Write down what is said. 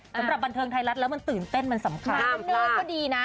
สำหรับบันเทิงไทยรัฐแล้วตื่นเต้นสำคัญร้านคลาบโดนได้เบิร์นดีนะ